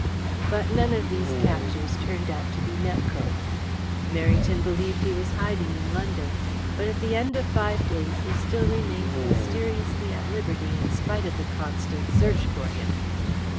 But none of these captures turned out to be Nepcote. Merrington believed he was hiding in London, but at the end of five days he still remained mysteriously at liberty in spite of the constant search for him.